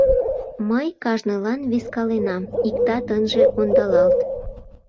Мый кажнылан вискаленам, иктат ынже ондалалт.